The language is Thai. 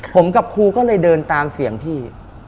ผมกับครูก็เลยเดินตามเสียงพี่